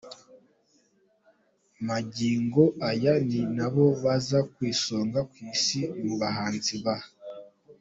Magingo aya ni nabo baza ku isonga ku isi mu bahanzi ba